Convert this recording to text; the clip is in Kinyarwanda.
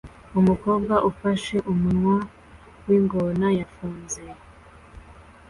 Umukobwa ufashe umunwa w'ingona yafunze